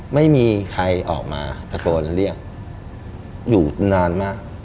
ไม่มีใครออกมาตะโกนเรียกอยู่นานมาก